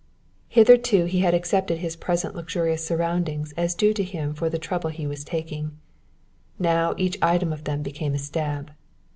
Hitherto he had accepted his present luxurious surroundings as due to him for the trouble he was taking; now each item of them became a stab.